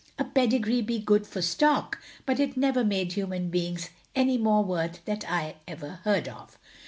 A pedigree be good for stock, but it never made human beings any more worth that ever I heard of.